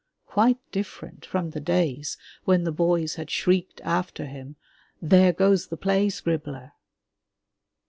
Quite different from the days when the boys had shrieked after him, 'There goes the play scribbler!